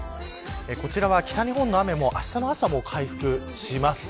こちらは、北日本の雨もあしたの朝には回復します。